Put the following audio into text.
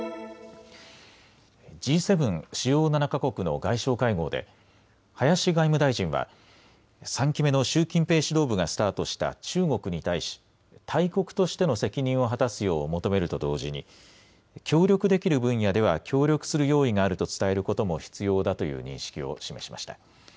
主要７か国の外相会合で林外務大臣は３期目の習近平指導部がスタートした中国に対し大国としての責任を果たすよう求めると同時に協力できる分野では協力する用意があると伝えることも必要だという認識を示しました。